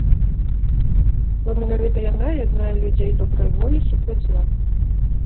Бо менавіта яна яднае людзей добрай волі супраць зла.